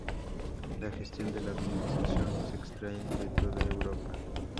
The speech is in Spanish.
La gestión de la organización se extrae de toda Europa.